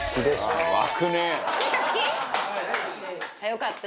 よかった。